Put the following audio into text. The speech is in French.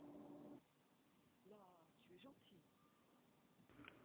Là! tu es gentil.